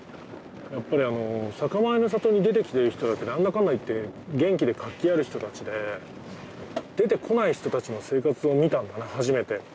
やっぱりあの酒米の里に出てきてる人らってなんだかんだ言って元気で活気ある人たちで出てこない人たちの生活を見たんだな初めて。